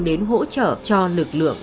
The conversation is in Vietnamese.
đến hỗ trợ cho lực lượng